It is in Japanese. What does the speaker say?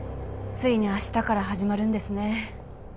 ついに明日から始まるんですね